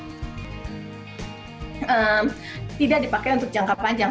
tidak dipakai untuk jangka panjang